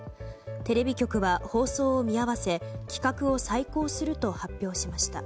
テレビ局は放送を見合わせ企画を再考すると発表しました。